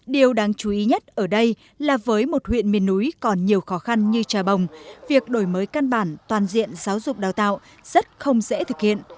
điều đáng chú ý nhất ở đây là với một huyện miền núi còn nhiều khó khăn như trà bồng việc đổi mới căn bản toàn diện giáo dục đào tạo rất không dễ thực hiện